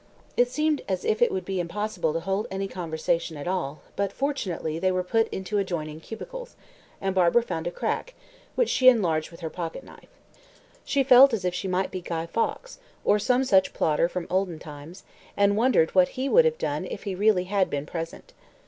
It seemed as if it would be impossible to hold any conversation at all, but, fortunately, they were put into adjoining cubicles, and Barbara found a crack, which she enlarged with her pocket knife. She felt as if she might be Guy Fawkes, or some such plotter from olden times, and wondered what he would have done if he really had been present.